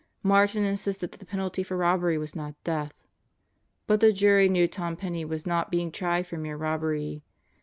Martin insisted that the penalty for robbery was not death; but the jury knew Tom Penney was not being tried for mere robbery.